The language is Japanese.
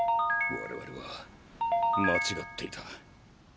我々は間違っていた。